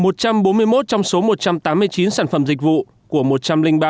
một trăm bốn mươi một trong số một trăm tám mươi chín sản phẩm dịch vụ của một trăm linh ba